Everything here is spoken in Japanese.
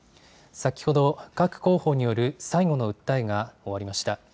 先ほど、各候補による最後の訴えが終わりました。